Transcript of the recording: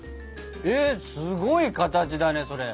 えっすごい形だねそれ。